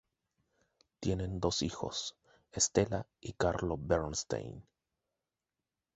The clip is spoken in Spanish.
Tienen dos hijos, Stella y Carlo Bernstein.